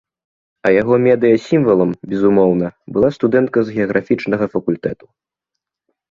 А яго медыя-сімвалам, безумоўна, была студэнтка з геаграфічнага факультэту.